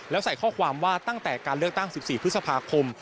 แล้วใส่ข้อความว่าตั้งแต่การเลือกตั้ง๑๔พฤษภาคม